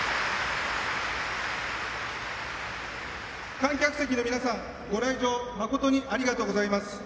観客席の皆さん、ご来場まことにありがとうございます。